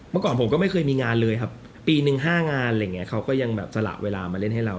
เมื่อก่อนผมก็ไม่เคยมีงานเลยครับปีนึง๕งานเขาก็ยังสละเวลามาเล่นให้เรา